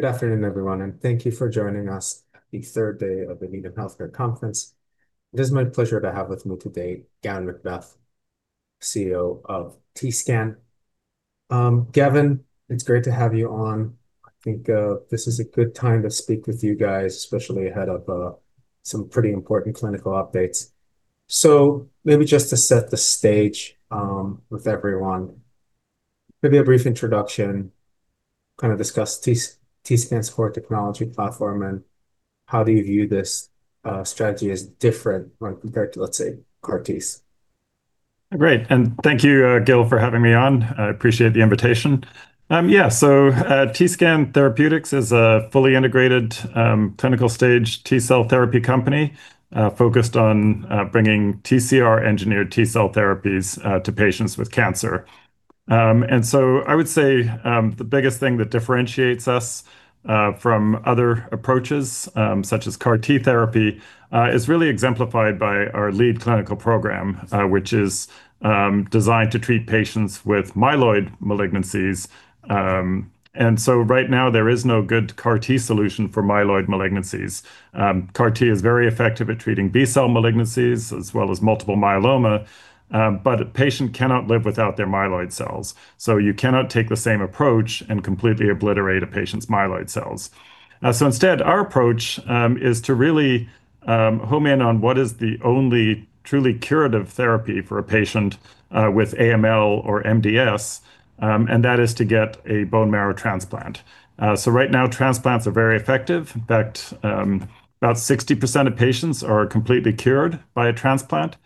Good afternoon, everyone, and thank you for joining us at the 3rd day of the Needham Healthcare Conference. It is my pleasure to have with me today Gavin MacBeath, CEO of TScan Therapeutics. Gavin, it's great to have you on. I think this is a good time to speak with you guys, especially ahead of some pretty important clinical updates. Maybe just to set the stage with everyone, maybe a brief introduction, discuss TScan Therapeutics's core technology platform, and how do you view this strategy as different when compared to, let's say, CAR T's? Great. Thank you Gil, for having me on. I appreciate the invitation. Yeah. TScan Therapeutics is a fully integrated clinical stage T cell therapy company focused on bringing TCR-engineered T cell therapies to patients with cancer. I would say the biggest thing that differentiates us from other approaches, such as CAR T therapy, is really exemplified by our lead clinical program, which is designed to treat patients with myeloid malignancies. Right now, there is no good CAR T solution for myeloid malignancies. CAR T is very effective at treating B-cell malignancies as well as multiple myeloma, but a patient cannot live without their myeloid cells, so you cannot take the same approach and completely obliterate a patient's myeloid cells. Instead, our approach is to really home in on what is the only truly curative therapy for a patient with AML or MDS, and that is to get a bone marrow transplant. Right now, transplants are very effective. In fact, about 60% of patients are completely cured by a transplant.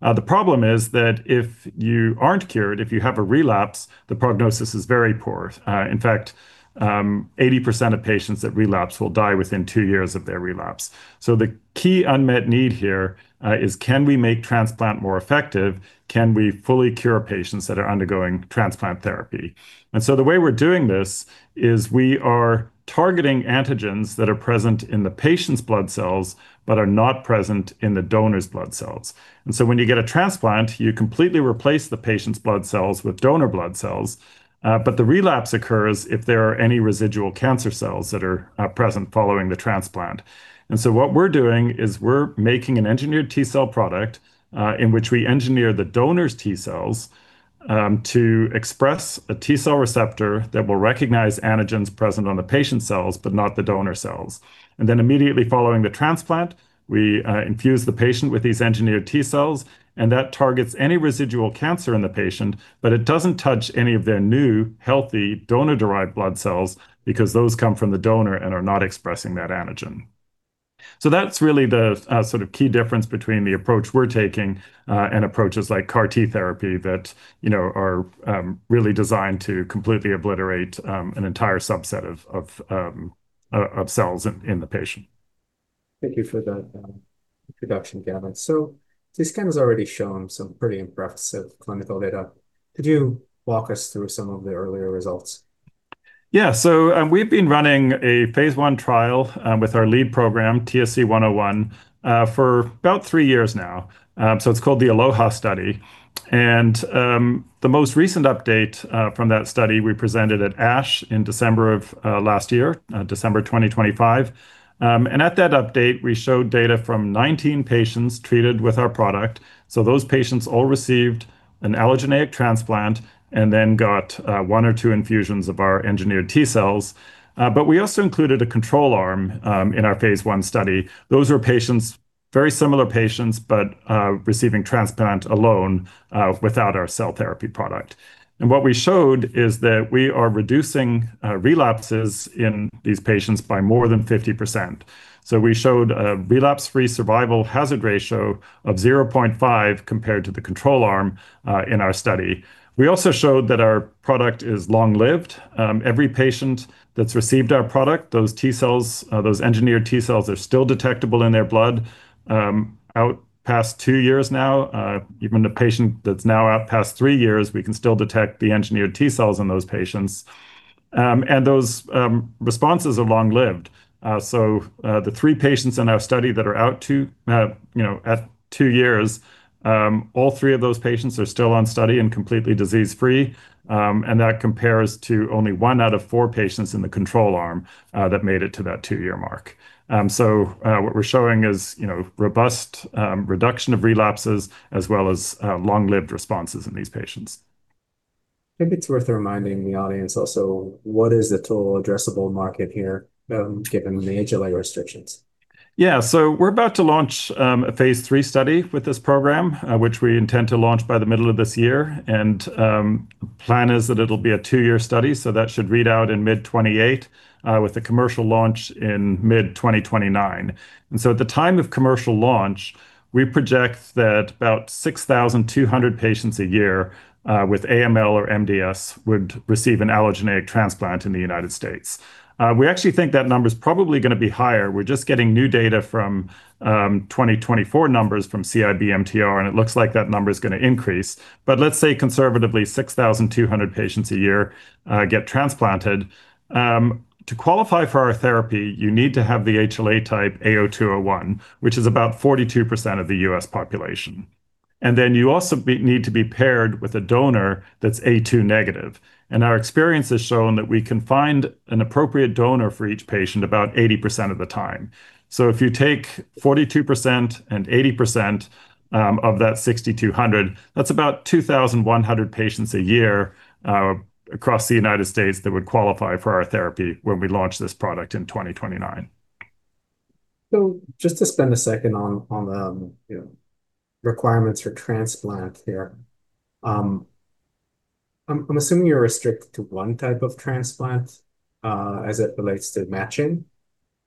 The problem is that if you aren't cured, if you have a relapse, the prognosis is very poor. In fact, 80% of patients that relapse will die within 2 years of their relapse. The key unmet need here is can we make transplant more effective? Can we fully cure patients that are undergoing transplant therapy? The way we're doing this is we are targeting antigens that are present in the patient's blood cells but are not present in the donor's blood cells. When you get a transplant, you completely replace the patient's blood cells with donor blood cells. The relapse occurs if there are any residual cancer cells that are present following the transplant. What we're doing is we're making an engineered T cell product, in which we engineer the donor's T cells, to express a T cell receptor that will recognize antigens present on the patient cells, but not the donor cells. Immediately following the transplant, we infuse the patient with these engineered T cells, and that targets any residual cancer in the patient. It doesn't touch any of their new, healthy donor-derived blood cells, because those come from the donor and are not expressing that antigen. That's really the key difference between the approach we're taking and approaches like CAR T therapy that are really designed to completely obliterate an entire subset of cells in the patient. Thank you for that introduction, Gavin. TScan Therapeutics has already shown some pretty impressive clinical data. Could you walk us through some of the earlier results? Yeah. We've been running a phase I trial with our lead program, TSC-101, for about 3 years now. It's called the ALLOHA™ Study. The most recent update from that study we presented at ASH in December of last year, December 2025. At that update, we showed data from 19 patients treated with our product. Those patients all received an allogeneic transplant and then got 1 or 2 infusions of our engineered T cells. We also included a control arm in our phase I study. Those were very similar patients, but receiving transplant alone without our cell therapy product. What we showed is that we are reducing relapses in these patients by more than 50%. We showed a relapse-free survival hazard ratio of 0.5 compared to the control arm in our study. We also showed that our product is long-lived. Every patient that's received our product, those engineered T cells are still detectable in their blood out past 2 years now. Even a patient that's now out past 3 years, we can still detect the engineered T cells in those patients. Those responses are long-lived. The 3 patients in our study that are out at 2 years, all 3 of those patients are still on study and completely disease-free. That compares to only 1 out of 4 patients in the control arm that made it to that 2-year mark. What we're showing is robust reduction of relapses as well as long-lived responses in these patients. Maybe it's worth reminding the audience also, what is the total addressable market here given the HLA restrictions? Yeah. We're about to launch a phase III study with this program, which we intend to launch by the middle of this year. Plan is that it'll be a 2-year study, so that should read out in mid-2028, with the commercial launch in mid-2029. At the time of commercial launch, we project that about 6,200 patients a year with AML or MDS would receive an allogeneic transplant in the United States. We actually think that number's probably going to be higher. We're just getting new data from 2024 numbers from CIBMTR, and it looks like that number is going to increase. Let's say conservatively 6,200 patients a year get transplanted. To qualify for our therapy, you need to have the HLA type A0201, which is about 42% of the U.S. population. Then you also need to be paired with a donor that's A2 negative. Our experience has shown that we can find an appropriate donor for each patient about 80% of the time. If you take 42% and 80% of that 6,200, that's about 2,100 patients a year across the United States that would qualify for our therapy when we launch this product in 2029. Just to spend a 2nd on the requirements for transplant here. I'm assuming you're restricted to one type of transplant as it relates to matching.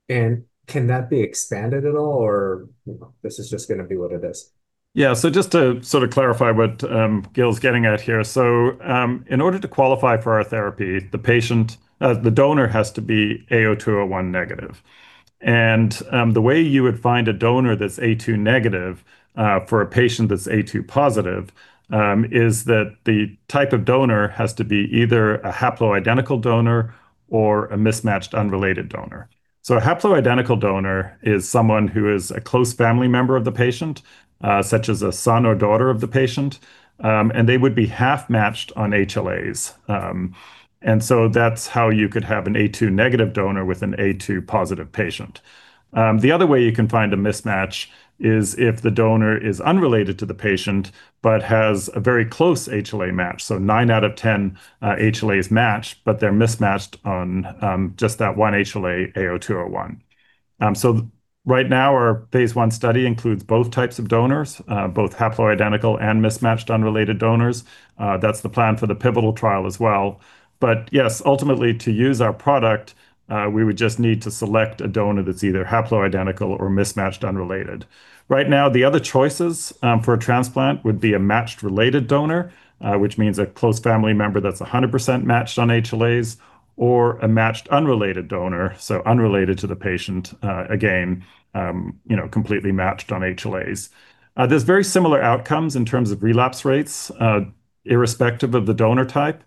Can that be expanded at all, or this is just going to be what it is? Yeah. Just to sort of clarify what Gil's getting at here. In order to qualify for our therapy, the donor has to be A0201 negative. The way you would find a donor that's A2 negative, for a patient that's A2 positive, is that the type of donor has to be either a haploidentical donor or a mismatched unrelated donor. A haploidentical donor is someone who is a close family member of the patient, such as a son or daughter of the patient, and they would be half-matched on HLA. That's how you could have an A2 negative donor with an A2 positive patient. The other way you can find a mismatch is if the donor is unrelated to the patient but has a very close HLA match. 9 out of 10 HLAs match, but they're mismatched on just that one HLA, A0201. Right now, our phase I study includes both types of donors, both haploidentical and mismatched unrelated donors. That's the plan for the pivotal trial as well. Yes, ultimately, to use our product, we would just need to select a donor that's either haploidentical or mismatched unrelated. Right now, the other choices for a transplant would be a matched-related donor, which means a close family member that's 100% matched on HLAs, or a matched unrelated donor, so unrelated to the patient, again, completely matched on HLAs. There's very similar outcomes in terms of relapse rates, irrespective of the donor type.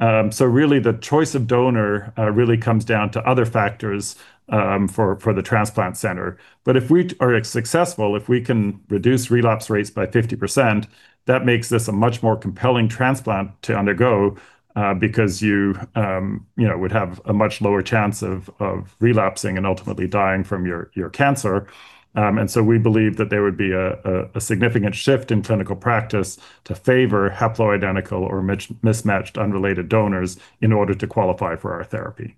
Really, the choice of donor really comes down to other factors for the transplant center. If we are successful, if we can reduce relapse rates by 50%, that makes this a much more compelling transplant to undergo, because you would have a much lower chance of relapsing and ultimately dying from your cancer. We believe that there would be a significant shift in clinical practice to favor haploidentical or mismatched unrelated donors in order to qualify for our therapy.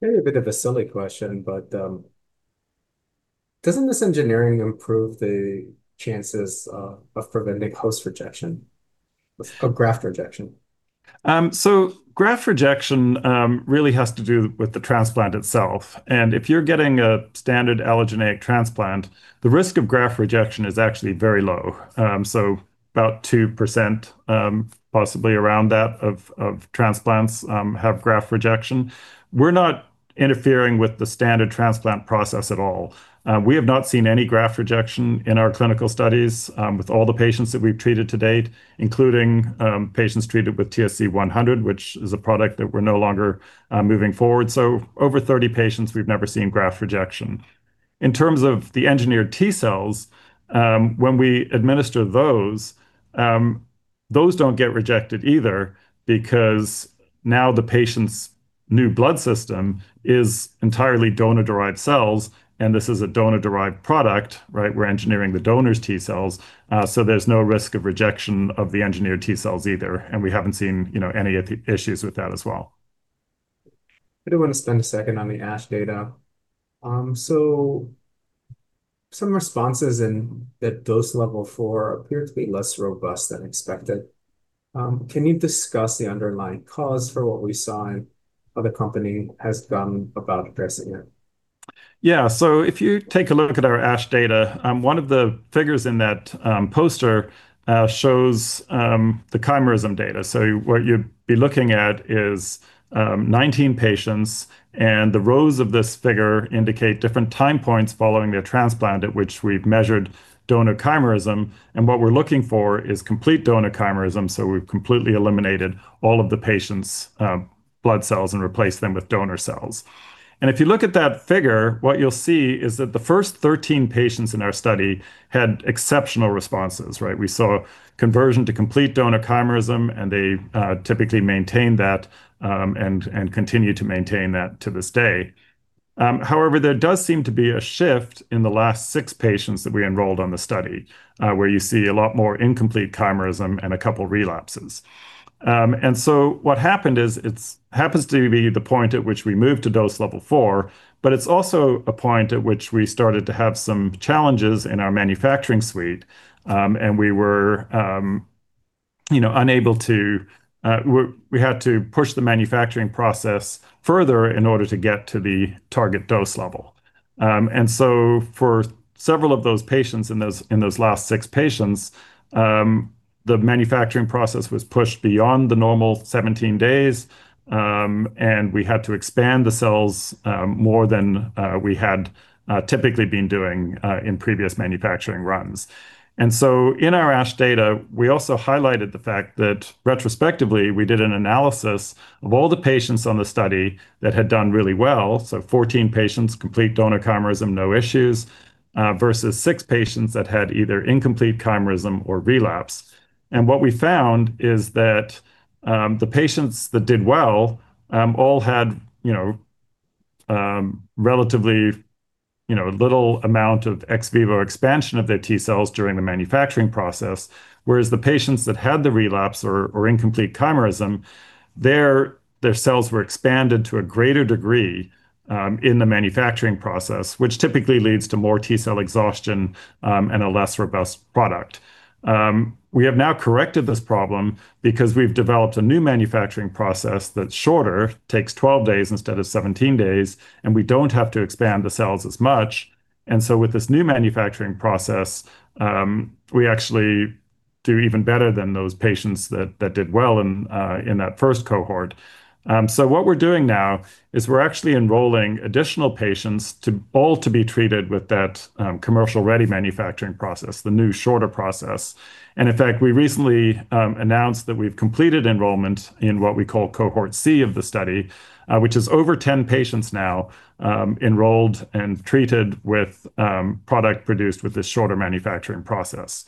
Maybe a bit of a silly question, but doesn't this engineering improve the chances of preventing host rejection or graft rejection? Graft rejection really has to do with the transplant itself. If you're getting a standard allogeneic transplant, the risk of graft rejection is actually very low. About 2%, possibly around that, of transplants have graft rejection. We're not interfering with the standard transplant process at all. We have not seen any graft rejection in our clinical studies with all the patients that we've treated to date, including patients treated with TSC-100, which is a product that we're no longer moving forward. Over 30 patients, we've never seen graft rejection. In terms of the engineered T cells, when we administer those don't get rejected either because now the patient's new blood system is entirely donor-derived cells, and this is a donor-derived product, right? We're engineering the donor's T cells, so there's no risk of rejection of the engineered T cells either. We haven't seen any issues with that as well. I do want to spend a second on the ASH data. Some responses in that dose level four appear to be less robust than expected. Can you discuss the underlying cause for what we saw and how the company has gone about addressing it? Yeah. If you take a look at our ASH data, one of the figures in that poster shows the chimerism data. What you'd be looking at is 19 patients, and the rows of this figure indicate different time points following their transplant at which we've measured donor chimerism. What we're looking for is complete donor chimerism, so we've completely eliminated all of the patient's blood cells and replaced them with donor cells. If you look at that figure, what you'll see is that the first 13 patients in our study had exceptional responses, right? We saw conversion to complete donor chimerism, and they typically maintained that, and continue to maintain that to this day. However, there does seem to be a shift in the last six patients that we enrolled on the study, where you see a lot more incomplete chimerism and a couple relapses. What happened is it happens to be the point at which we moved to dose level 4, but it's also a point at which we started to have some challenges in our manufacturing suite. We had to push the manufacturing process further in order to get to the target dose level. For several of those patients in those last 6 patients, the manufacturing process was pushed beyond the normal 17 days, and we had to expand the cells more than we had typically been doing in previous manufacturing runs. In our ASH data, we also highlighted the fact that retrospectively, we did an analysis of all the patients on the study that had done really well. 14 patients, complete donor chimerism, no issues, versus 6 patients that had either incomplete chimerism or relapse. what we found is that the patients that did well all had relatively little amount of ex vivo expansion of their T cells during the manufacturing process, whereas the patients that had the relapse or incomplete chimerism, their cells were expanded to a greater degree in the manufacturing process, which typically leads to more T cell exhaustion, and a less robust product. We have now corrected this problem because we've developed a new manufacturing process that's shorter, takes 12 days instead of 17 days, and we don't have to expand the cells as much. with this new manufacturing process, we actually do even better than those patients that did well in that 1st cohort. what we're doing now is we're actually enrolling additional patients all to be treated with that commercial ready manufacturing process, the new shorter process. In fact, we recently announced that we've completed enrollment in what we call Cohort C of the study, which is over 10 patients now enrolled and treated with product produced with this shorter manufacturing process.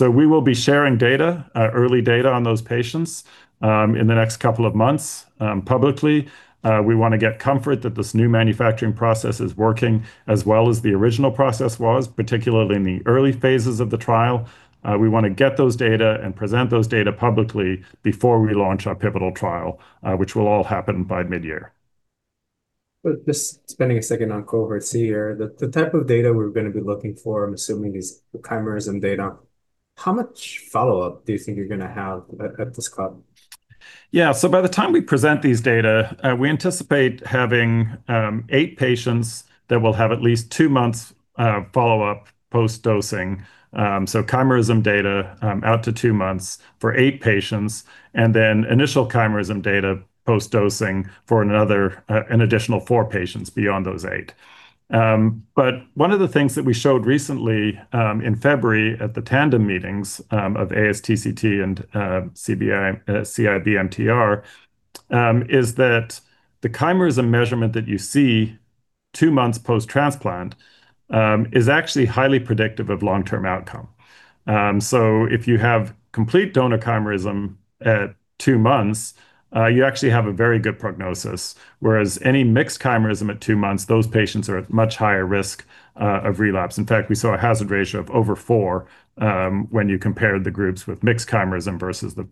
We will be sharing data, early data on those patients, in the next couple of months, publicly. We want to get comfort that this new manufacturing process is working as well as the original process was, particularly in the early phases of the trial. We want to get those data and present those data publicly before we launch our pivotal trial, which will all happen by mid-year. Just spending a second on Cohort C here, the type of data we're going to be looking for, I'm assuming, is chimerism data. How much follow-up do you think you're going to have at this club? Yeah. By the time we present these data, we anticipate having 8 patients that will have at least 2 months follow-up post-dosing. Chimerism data out to 2 months for 8 patients, and then initial chimerism data post-dosing for an additional 4 patients beyond those 8. One of the things that we showed recently, in February at the Tandem Meetings of ASTCT and CIBMTR, is that the chimerism measurement that you see 2 months post-transplant is actually highly predictive of long-term outcome. If you have complete donor chimerism at 2 months, you actually have a very good prognosis, whereas any mixed chimerism at 2 months, those patients are at much higher risk of relapse. In fact, we saw a hazard ratio of over 4, when you compared the groups with mixed chimerism versus the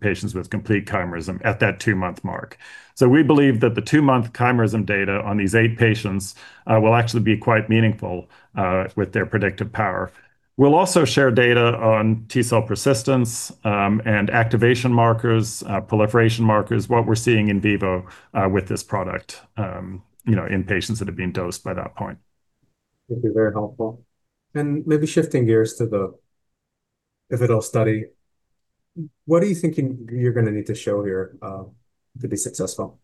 patients with complete chimerism at that 2-month mark. We believe that the 2-month chimerism data on these 8 patients will actually be quite meaningful, with their predictive power. We'll also share data on T cell persistence, and activation markers, proliferation markers, what we're seeing in vivo, with this product, in patients that have been dosed by that point. This is very helpful. Maybe shifting gears to the pivotal study, what are you thinking you're going to need to show here to be successful?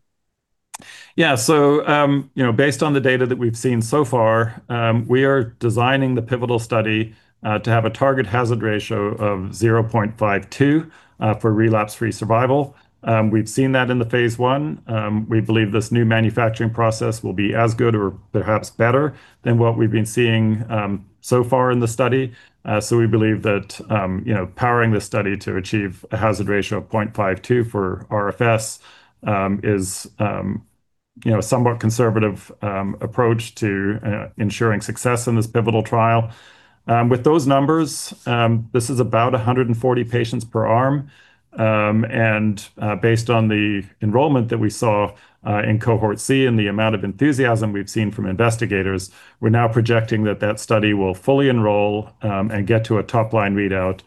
Yeah. Based on the data that we've seen so far, we are designing the pivotal study to have a target hazard ratio of 0.52 for relapse-free survival. We've seen that in the phase I. We believe this new manufacturing process will be as good or perhaps better than what we've been seeing so far in the study. We believe that powering the study to achieve a hazard ratio of 0.52 for RFS is a somewhat conservative approach to ensuring success in this pivotal trial. With those numbers, this is about 140 patients per arm. Based on the enrollment that we saw in cohort C and the amount of enthusiasm we've seen from investigators, we're now projecting that that study will fully enroll and get to a top-line readout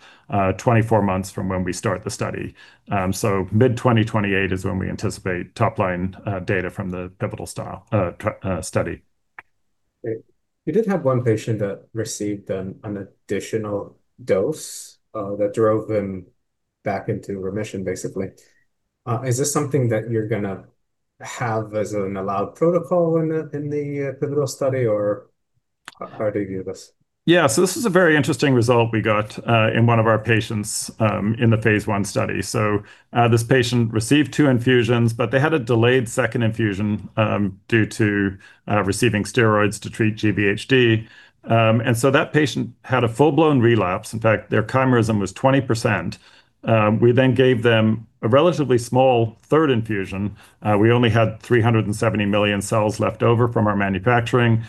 24 months from when we start the study. Mid-2028 is when we anticipate top-line data from the pivotal study. You did have 1 patient that received an additional dose that drove them back into remission, basically. Is this something that you're going to have as an allowed protocol in the pivotal study, or how do you view this? Yeah. This is a very interesting result we got in 1 of our patients, in the phase I study. This patient received 2 infusions, but they had a delayed 2nd infusion due to receiving steroids to treat GVHD. That patient had a full-blown relapse. In fact, their chimerism was 20%. We then gave them a relatively small third infusion. We only had 370 million cells left over from our manufacturing.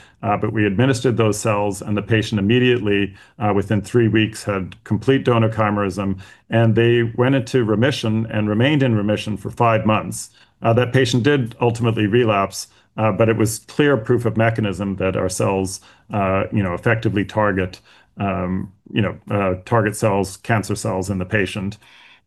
We administered those cells, and the patient immediately, within 3 weeks, had complete donor chimerism, and they went into remission and remained in remission for 5 months. That patient did ultimately relapse, but it was clear proof of mechanism that our cells effectively target cells, cancer cells in the patient.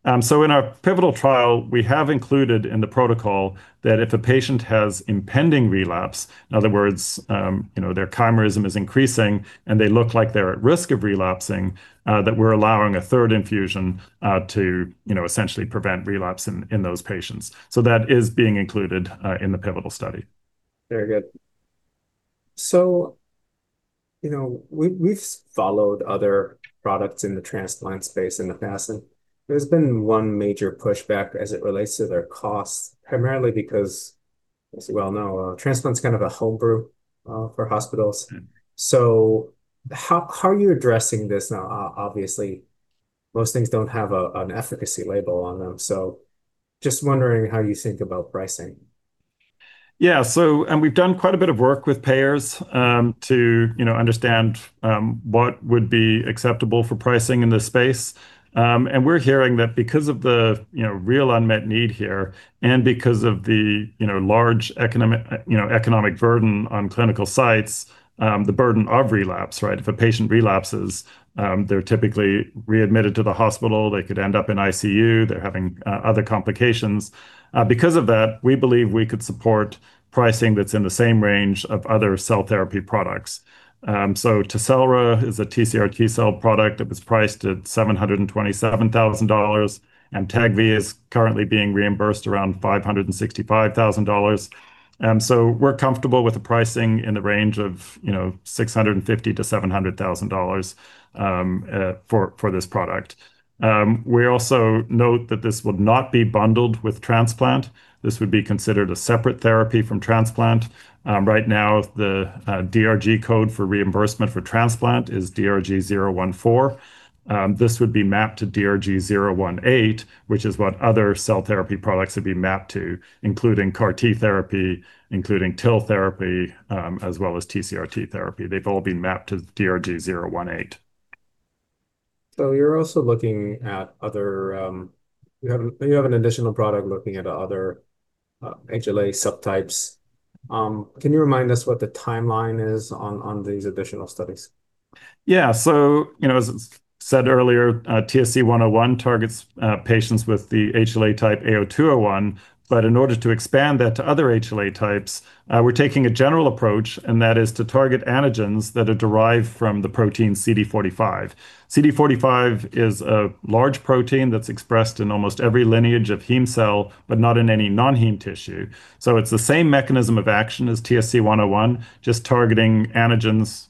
In our pivotal trial, we have included in the protocol that if a patient has impending relapse, in other words, their chimerism is increasing and they look like they're at risk of relapsing, that we're allowing a 3rd infusion to essentially prevent relapse in those patients. That is being included in the pivotal study. Very good. We've followed other products in the transplant space in the past, and there's been 1 major pushback as it relates to their costs, primarily because, as we well know, a transplant's kind of a home brew for hospitals. Mm-hmm. How are you addressing this now? Obviously, most things don't have an efficacy label on them. Just wondering how you think about pricing. Yeah. We've done quite a bit of work with payers to understand what would be acceptable for pricing in this space. We're hearing that because of the real unmet need here and because of the large economic burden on clinical sites, the burden of relapse, right? If a patient relapses, they're typically readmitted to the hospital, they could end up in ICU, they're having other complications. Because of that, we believe we could support pricing that's in the same range of other cell therapy products. TECELRA is a TCR T-cell product that was priced at $727,000, and Tagvya is currently being reimbursed around $565,000. We're comfortable with the pricing in the range of $650,000-$700,000 for this product. We also note that this would not be bundled with transplant. This would be considered a separate therapy from transplant. Right now, the DRG code for reimbursement for transplant is DRG 014. This would be mapped to DRG 018, which is what other cell therapy products would be mapped to, including CAR T therapy, including TIL therapy, as well as TCR T therapy. They've all been mapped to DRG 018. You have an additional product looking at other HLA subtypes. Can you remind us what the timeline is on these additional studies? Yeah. As said earlier, TSC-101 targets patients with the HLA type A0201, but in order to expand that to other HLA types, we're taking a general approach, and that is to target antigens that are derived from the protein CD45. CD45 is a large protein that's expressed in almost every lineage of heme cell, but not in any non-heme tissue. It's the same mechanism of action as TSC-101, just targeting antigens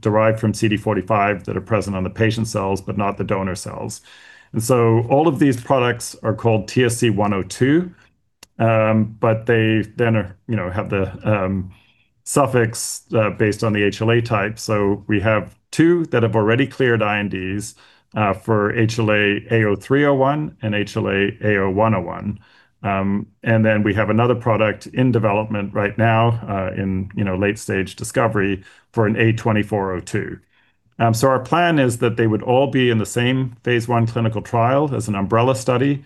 derived from CD45 that are present on the patient cells but not the donor cells. All of these products are called TSC-102, but they then have the suffix based on the HLA type. We have 2 that have already cleared INDs, for HLA-A0301 and HLA-A0101. We have another product in development right now, in late stage discovery for an A2402. Our plan is that they would all be in the same phase I clinical trial as an umbrella study,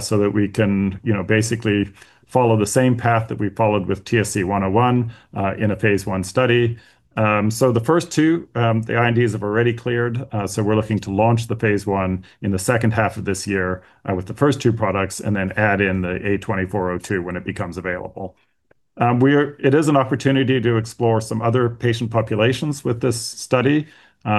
so that we can basically follow the same path that we followed with TSC-101 in a phase I study. The first 2, the INDs have already cleared, so we're looking to launch the phase I in the H2 of this year with the first 2 products and then add in the A2402 when it becomes available. It is an opportunity to explore some other patient populations with this study,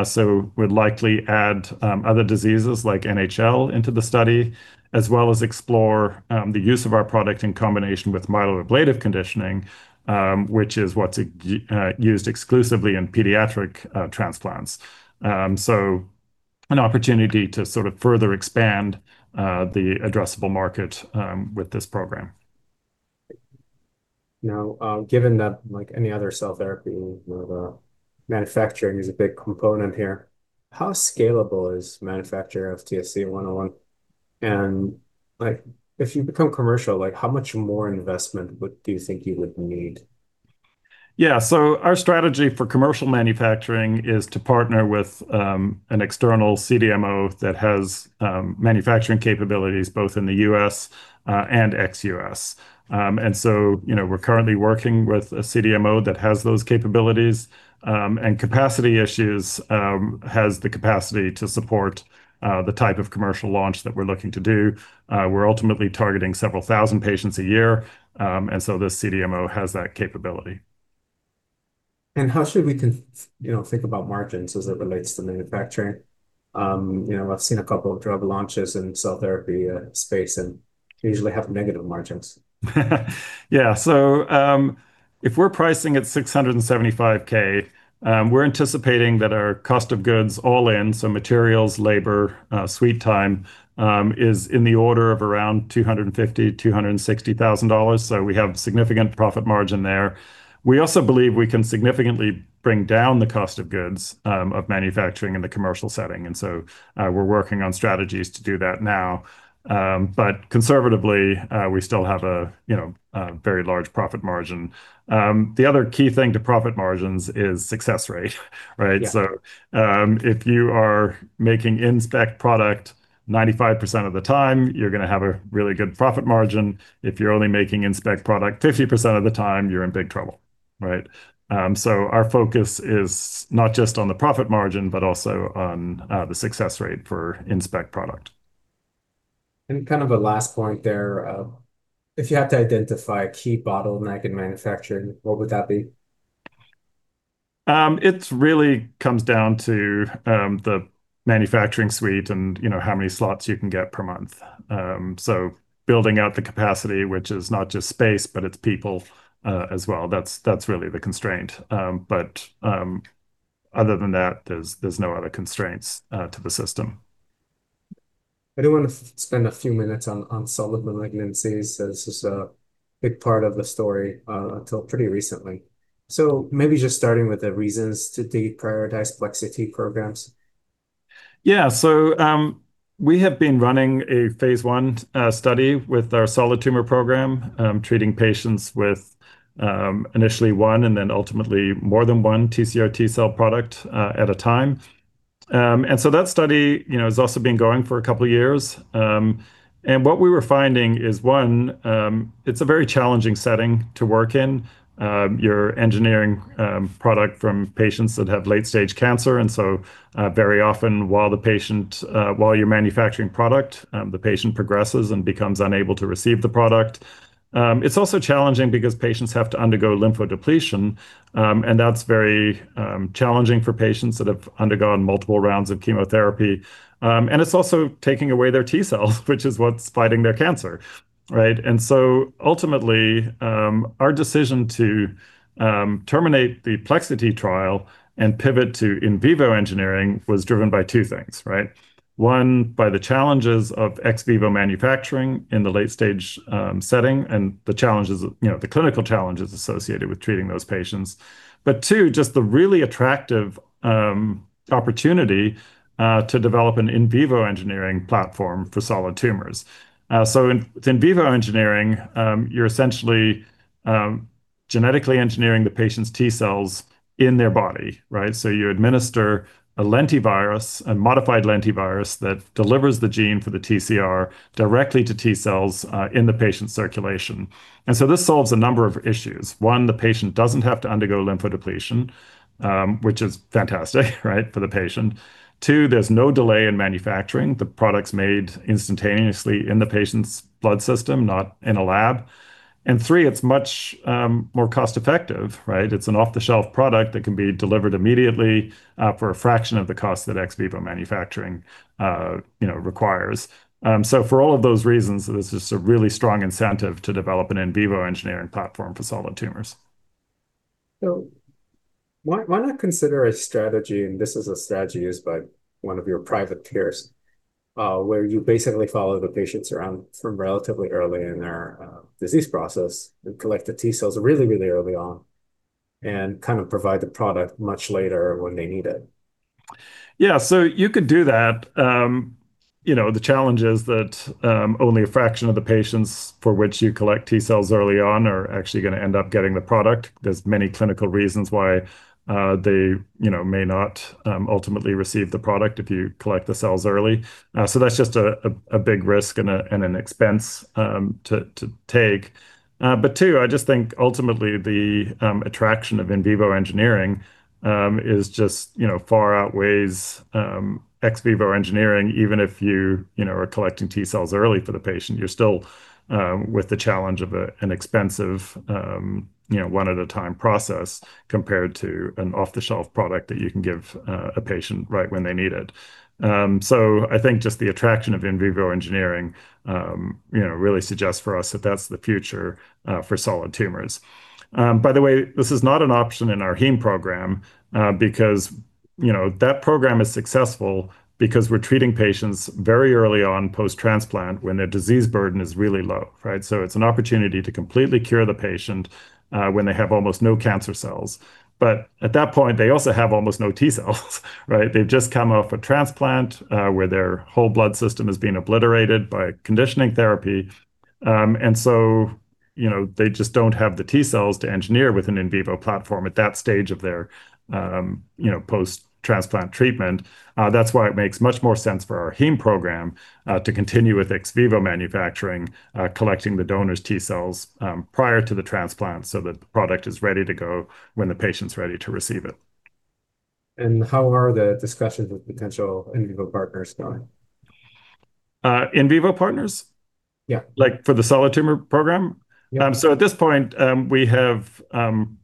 so we'd likely add other diseases like NHL into the study, as well as explore the use of our product in combination with myeloablative conditioning, which is what's used exclusively in pediatric transplants. An opportunity to sort of further expand the addressable market with this program. Now, given that like any other cell therapy, manufacturing is a big component here, how scalable is manufacturing of TSC-101? If you become commercial, how much more investment do you think you would need? Yeah. Our strategy for commercial manufacturing is to partner with an external CDMO that has manufacturing capabilities both in the U.S. and ex-U.S. We're currently working with a CDMO that has those capabilities and capacity. It has the capacity to support the type of commercial launch that we're looking to do. We're ultimately targeting several thousand patients a year, and so this CDMO has that capability. How should we think about margins as it relates to manufacturing? I've seen a couple of drug launches in cell therapy space, and they usually have negative margins. Yeah. If we're pricing at $675,000, we're anticipating that our cost of goods all in, so materials, labor, suite time, is in the order of around $250,000-$260,000. We have significant profit margin there. We also believe we can significantly bring down the cost of goods of manufacturing in the commercial setting. We're working on strategies to do that now. Conservatively, we still have a very large profit margin. The other key thing to profit margins is success rate, right? Yeah. If you are making in-spec product 95% of the time, you're going to have a really good profit margin. If you're only making in-spec product 50% of the time, you're in big trouble, right? Our focus is not just on the profit margin, but also on the success rate for in-spec product. Kind of a last point there, if you had to identify a key bottleneck in manufacturing, what would that be? It really comes down to the manufacturing suite and how many slots you can get per month. Building out the capacity, which is not just space, but it's people as well, that's really the constraint. Other than that, there's no other constraints to the system. I do want to spend a few minutes on solid malignancies, as this is a big part of the story until pretty recently. Maybe just starting with the reasons to deprioritize T-Plex programs. Yeah. We have been running a phase I study with our solid tumor program, treating patients with, initially 1, and then ultimately more than 1 TCR T-cell product at a time. That study has also been going for a couple of years. What we were finding is, 1, it's a very challenging setting to work in. You're engineering product from patients that have late-stage cancer. Very often while you're manufacturing product, the patient progresses and becomes unable to receive the product. It's also challenging because patients have to undergo lymphodepletion, and that's very challenging for patients that have undergone multiple rounds of chemotherapy. It's also taking away their T cells, which is what's fighting their cancer. Right? Ultimately, our decision to terminate the T-Plex trial and pivot to in vivo engineering was driven by 2 things, right? 1, by the challenges of ex vivo manufacturing in the late-stage setting and the clinical challenges associated with treating those patients. 2, just the really attractive opportunity to develop an in vivo engineering platform for solid tumors. With in vivo engineering, you're essentially genetically engineering the patient's T cells in their body, right? You administer a lentivirus, a modified lentivirus, that delivers the gene for the TCR directly to T cells in the patient's circulation. This solves a number of issues. 1, the patient doesn't have to undergo lymphodepletion, which is fantastic, right, for the patient. 2, there's no delay in manufacturing. The product's made instantaneously in the patient's blood system, not in a lab. 3, it's much more cost-effective, right? It's an off-the-shelf product that can be delivered immediately, for a fraction of the cost that ex vivo manufacturing requires. For all of those reasons, there's just a really strong incentive to develop an in vivo engineering platform for solid tumors. Why not consider a strategy, and this is a strategy used by 1 of your private peers, where you basically follow the patients around from relatively early in their disease process and collect the T cells really, really early on and kind of provide the product much later when they need it? Yeah. You could do that. The challenge is that only a fraction of the patients for which you collect T cells early on are actually going to end up getting the product. There's many clinical reasons why they may not ultimately receive the product if you collect the cells early. That's just a big risk and an expense to take. 2, I just think ultimately the attraction of in vivo engineering is just far outweighs ex vivo engineering. Even if you are collecting T cells early for the patient, you're still with the challenge of an expensive one-at-a-time process compared to an off-the-shelf product that you can give a patient right when they need it. I think just the attraction of in vivo engineering really suggests for us that that's the future for solid tumors. By the way, this is not an option in our heme program, because that program is successful because we're treating patients very early on post-transplant when their disease burden is really low, right? It's an opportunity to completely cure the patient, when they have almost no cancer cells. At that point, they also have almost no T cells, right? They've just come off a transplant, where their whole blood system is being obliterated by conditioning therapy. They just don't have the T cells to engineer with an in vivo platform at that stage of their post-transplant treatment. That's why it makes much more sense for our heme program to continue with ex vivo manufacturing, collecting the donor's T cells prior to the transplant so that the product is ready to go when the patient's ready to receive it. How are the discussions with potential in vivo partners going? In vivo partners? Yeah. Like for the solid tumor program? Yeah. At this point, we have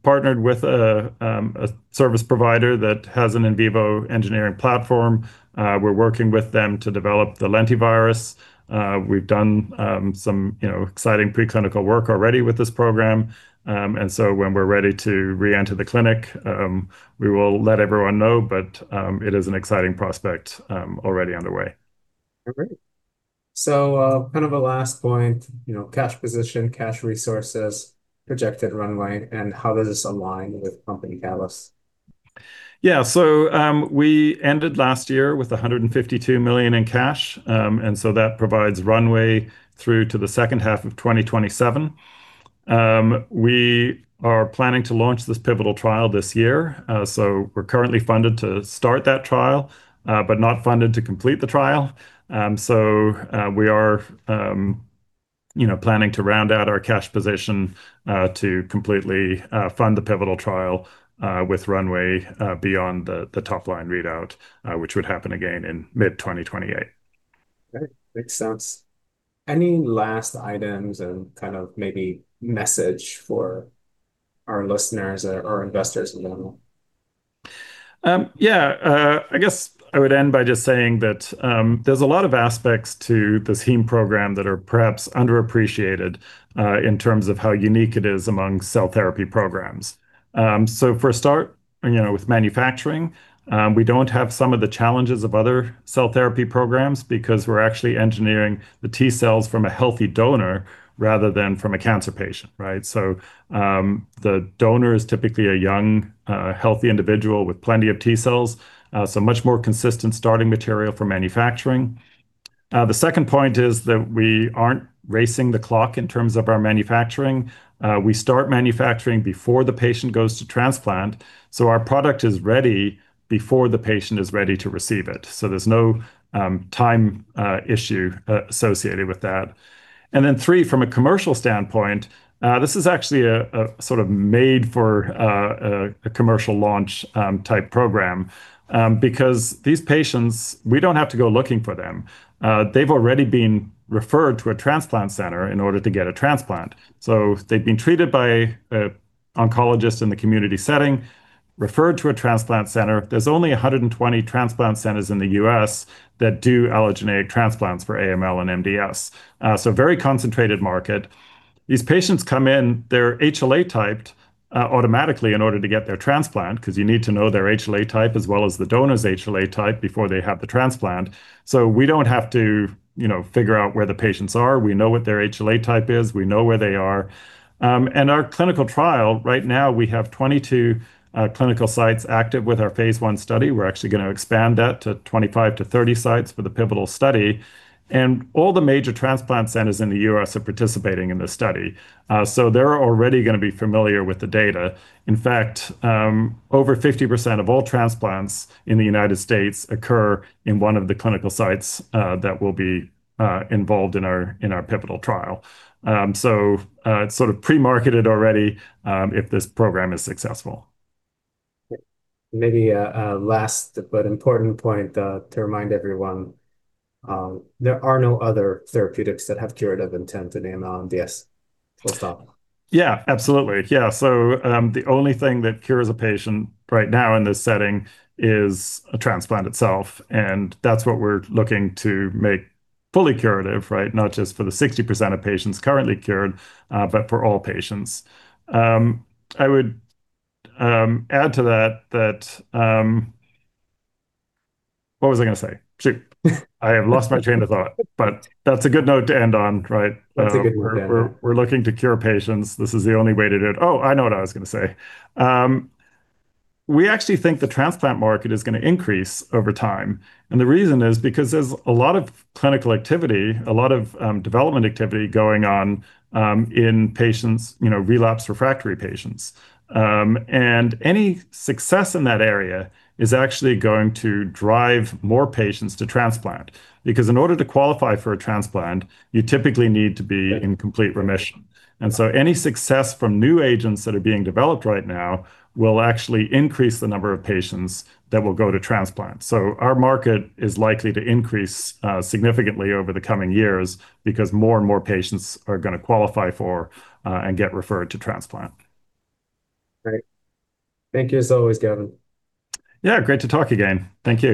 partnered with a service provider that has an in vivo engineering platform. We're working with them to develop the lentivirus. We've done some exciting preclinical work already with this program. When we're ready to reenter the clinic, we will let everyone know. It is an exciting prospect already underway. Great. Kind of a last point, cash position, cash resources, projected runway, and how does this align with company catalyst? Yeah. We ended last year with $152 million in cash. That provides runway through to the second half of 2027. We are planning to launch this pivotal trial this year. We're currently funded to start that trial, but not funded to complete the trial. We are planning to round out our cash position, to completely fund the pivotal trial, with runway beyond the top line readout, which would happen again in mid-2028. Okay. Makes sense. Any last items and kind of maybe message for our listeners or investors in general? Yeah. I guess I would end by just saying that there's a lot of aspects to this heme program that are perhaps underappreciated, in terms of how unique it is among cell therapy programs. For a start, with manufacturing. We don't have some of the challenges of other cell therapy programs because we're actually engineering the T cells from a healthy donor rather than from a cancer patient. The donor is typically a young, healthy individual with plenty of T cells, so much more consistent starting material for manufacturing. The 2nd point is that we aren't racing the clock in terms of our manufacturing. We start manufacturing before the patient goes to transplant, so our product is ready before the patient is ready to receive it. There's no time issue associated with that. 3, from a commercial standpoint, this is actually a sort of made for a commercial launch type program, because these patients, we don't have to go looking for them. They've already been referred to a transplant center in order to get a transplant. They've been treated by an oncologist in the community setting, referred to a transplant center. There's only 120 transplant centers in the U.S. that do allogeneic transplants for AML and MDS. Very concentrated market. These patients come in, they're HLA typed automatically in order to get their transplant, because you need to know their HLA type as well as the donor's HLA type before they have the transplant. We don't have to figure out where the patients are. We know what their HLA type is. We know where they are. Our clinical trial right now, we have 22 clinical sites active with our phase I study. We're actually going to expand that to 25-30 sites for the pivotal study. All the major transplant centers in the U.S. are participating in this study. They're already going to be familiar with the data. In fact, over 50% of all transplants in the United States occur in one of the clinical sites that will be involved in our pivotal trial. It's sort of pre-marketed already if this program is successful. Maybe a last but important point to remind everyone, there are no other therapeutics that have curative intent in AML and MDS, full stop. Yeah, absolutely. The only thing that cures a patient right now in this setting is a transplant itself, and that's what we're looking to make fully curative. Not just for the 60% of patients currently cured, but for all patients. I would add to that, What was I going to say? Shoot. I have lost my train of thought. That's a good note to end on, right? That's a good note to end on. We're looking to cure patients. This is the only way to do it. Oh, I know what I was going to say. We actually think the transplant market is going to increase over time, and the reason is because there's a lot of clinical activity, a lot of development activity going on in patients, relapsed refractory patients. Any success in that area is actually going to drive more patients to transplant. Because in order to qualify for a transplant, you typically need to be in complete remission. Any success from new agents that are being developed right now will actually increase the number of patients that will go to transplant. Our market is likely to increase significantly over the coming years because more and more patients are going to qualify for and get referred to transplant. Great. Thank you as always, Gavin. Yeah, great to talk again. Thank you.